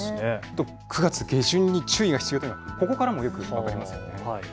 ９月下旬に注意が必要というのがここからもよく分かりますよね。